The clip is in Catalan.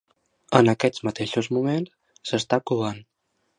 En aquests mateixos moments s'està covant.